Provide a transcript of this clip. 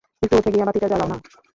একটু উঠে গিয়ে বাতিটা জ্বালাও না।